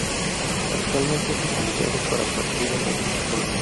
Actualmente es utilizado para partidos de fútbol.